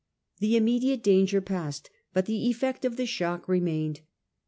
The immediate danger passed, but the effect of the shock remained.